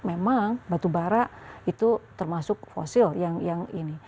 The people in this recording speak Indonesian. memang batubara itu termasuk fosil yang ini